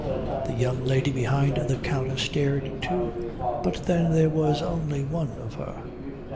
The young lady behind the counter stared, too, but then there was only one of her.